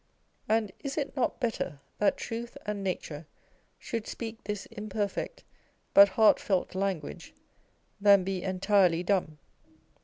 And is it not better that truth and nature should speak this imperfect but heartfelt language, than be entirely dumb